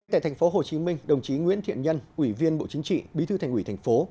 tại tp hcm đồng chí nguyễn thiện nhân ủy viên bộ chính trị bí thư thành ủy thành phố